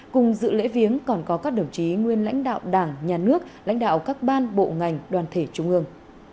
cùng dự lễ viếng còn có các đồng chí nguyên lãnh đạo đảng nhà nước lãnh đạo các ban bộ ngành đoàn thể trung ương